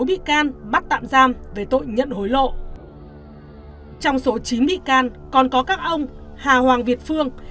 bị can bắt tạm giam về tội nhận hối lộ trong số chín bị can còn có các ông hà hoàng việt phương